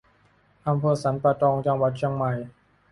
อำเภอสันป่าตอง จังหวัดเชียงใหม่